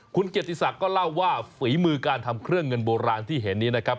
คุณเกียรติศักดิ์ก็เล่าว่าฝีมือการทำเครื่องเงินโบราณที่เห็นนี้นะครับ